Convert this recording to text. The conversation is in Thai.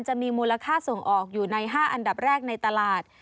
จะมีมูลค่าส่งออกอยู่ใน๕อันดับแรกในตลาด